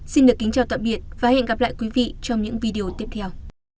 xin kính chào tạm biệt và hẹn gặp lại trong những video tiếp theo